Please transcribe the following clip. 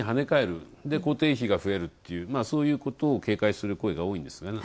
それで固定費が増えるっていうそういうことを警戒する声が多いんですがね。